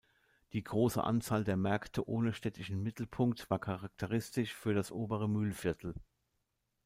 Die große Anzahl der Märkte ohne städtischen Mittelpunkt war charakteristisch für das Obere Mühlviertel.